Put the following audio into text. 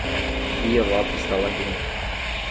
Guia Lopes da Laguna